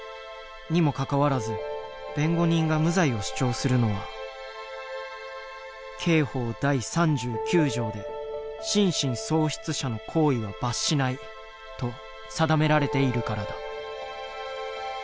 にもかかわらず弁護人が無罪を主張するのは刑法第３９条で「心神喪失者の行為は罰しない」と定められているからだ。